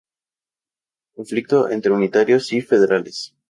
Conflicto entre unitarios y federales.